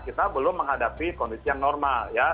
kita belum menghadapi kondisi yang normal